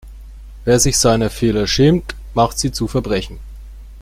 Wer sich seiner Fehler schämt, macht sie zu Verbrechen.